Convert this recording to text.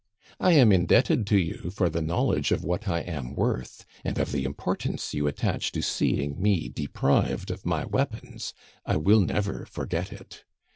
I am indebted to you for the knowledge of what I am worth, and of the importance you attach to seeing me deprived of my weapons I will never forget it.